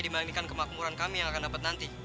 dibandingkan kemakmuran kami yang akan dapat nanti